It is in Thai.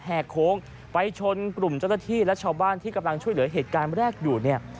โค้งไปชนกลุ่มเจ้าหน้าที่และชาวบ้านที่กำลังช่วยเหลือเหตุการณ์แรกอยู่เนี่ย